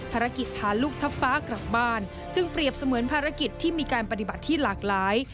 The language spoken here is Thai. ภารกิจพาลูกทัพฟ้ากลับบ้านจึงเปรียบเสมือนภารกิจที่มีการปฏิบัติที่หลากหลาย